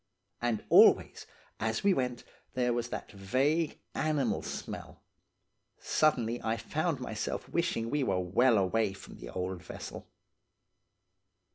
"And always, as we went, there was that vague, animal smell; suddenly I found myself wishing we were well away from the old vessel.